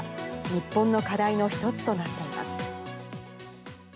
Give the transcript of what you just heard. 日本の課題の一つとなっています。